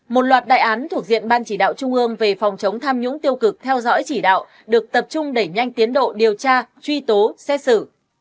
một loạt đại án thuộc diện ban chỉ đạo trung ương về phòng chống tham nhũng tiêu cực theo dõi chỉ đạo được tập trung đẩy nhanh tiến độ điều tra truy tố xét xử